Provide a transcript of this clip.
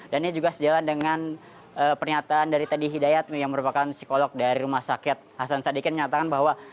dan ini juga sejalan dengan pernyataan dari tadi hidayat yang merupakan psikolog dari rumah sakit hasan sadikin menyatakan bahwa